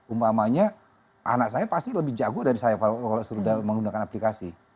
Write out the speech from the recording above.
umpamanya anak saya pasti lebih jago dari saya kalau sudah menggunakan aplikasi